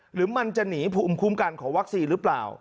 หรือมันจะหนีภูมิคุ้มกันของวัคซีนหรือเปล่า